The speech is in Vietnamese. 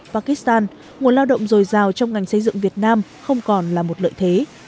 pakistan nguồn lao động dồi dào trong ngành xây dựng việt nam không còn là một lợi thế